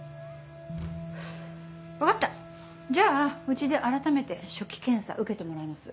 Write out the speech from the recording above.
分かったじゃあうちで改めて初期検査受けてもらいます。